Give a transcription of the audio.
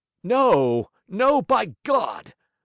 'No, no, by God!'